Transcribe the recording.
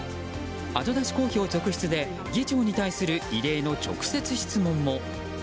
後出し公表続出で議長に対する異例の直接質問も。